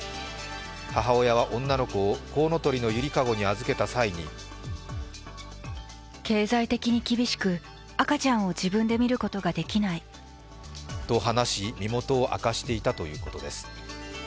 母親は女の子をこうのとりのゆりかごに預けた際にと話し、身元を明かしていたということです。